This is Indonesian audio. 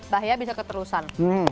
bahaya bisa keterusan